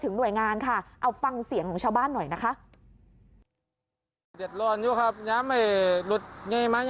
หน่วยงานค่ะเอาฟังเสียงของชาวบ้านหน่อยนะคะ